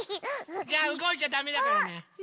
じゃあうごいちゃだめだからね。